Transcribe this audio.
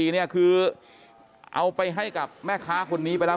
๑๔๐๐๐บาทคือเอาไปให้กับแม่ค้าคนนี้ไปแล้ว